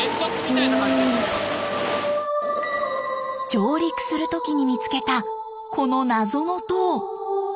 上陸する時に見つけたこの謎の塔。